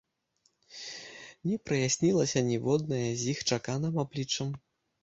Не праяснілася ніводнае з іх чаканым абліччам.